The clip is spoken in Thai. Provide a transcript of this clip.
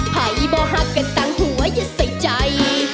ภัยบ่หักกันตั้งหัวอย่าใส่ใจ